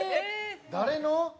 誰の？